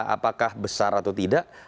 apakah besar atau tidak